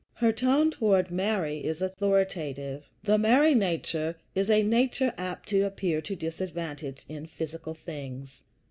Her tone toward Mary is authoritative. The Mary nature is a nature apt to appear to disadvantage in physical things.